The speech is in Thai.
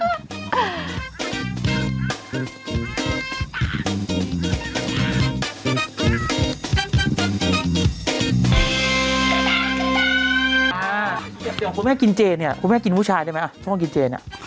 สิ่งเดี่ยวกับพวกแม่กินเจนเนี่ยพวกแม่กินผู้ชายได้ไหมพวกกินเจน